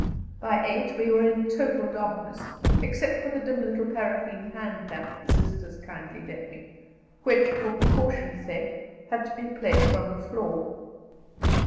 By eight we were in total darkness, except for the dim little paraffin hand lamp the Sisters kindly lent me, which, for precaution's sake, had to be placed on the floor.